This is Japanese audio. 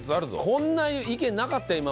こんな意見なかったよ